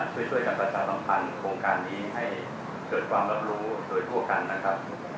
ช่วยกันประชาสัมพันธ์โครงการนี้ให้เกิดความรับรู้โดยทั่วกันนะครับ